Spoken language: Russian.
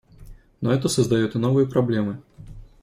Но это создает и новые проблемы.